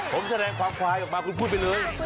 ผมแสดงความควายออกมาคุณพูดไปเลย